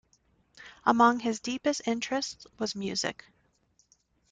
Among his deepest interests was music.